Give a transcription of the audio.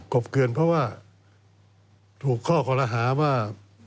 บเกลือนเพราะว่าถูกข้อคอรหาว่า